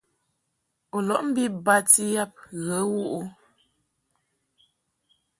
U lɔʼ mbi bati yab ghə wuʼ ɨ ?